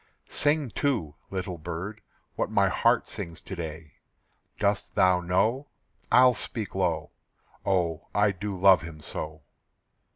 Sing too, little bird, what my heart sings to day. Dost thou know? I'll speak low "Oh, I do love him so."